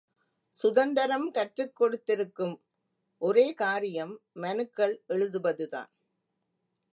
சுதந்தரம் கற்றுக் கொடுத்திருக்கும் ஒரே காரியம் மனுக்கள் எழுதுவதுதான்.